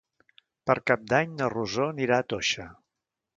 Per Cap d'Any na Rosó anirà a Toixa.